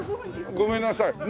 ごめんなさい。